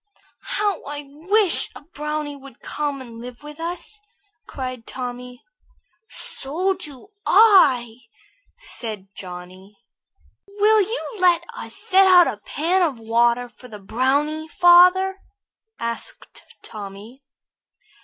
"How I wish a brownie would come and live with us!" cried Tommy. "So do I," said Johnny. "Will you let us set out a pan of water for the brownie, father?" asked Tommy.